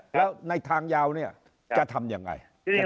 แล้วในทางยาวจะทำอย่างไร